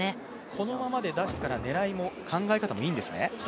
このままで狙い方も考え方もいいんですね？